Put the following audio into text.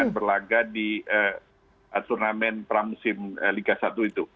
yang berlaga di turnamen pramusim liga satu itu